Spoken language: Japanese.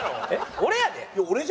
俺やで。